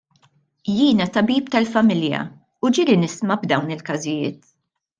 Jiena tabib tal-familja u ġieli nisma' b'dawn il-każijiet.